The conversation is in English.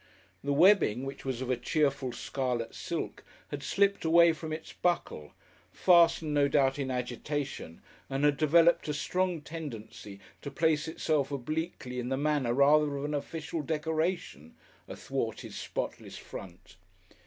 The webbing which was of a cheerful scarlet silk had slipped away from its buckle, fastened no doubt in agitation, and had developed a strong tendency to place itself obliquely in the manner rather of an official decoration, athwart his spotless front.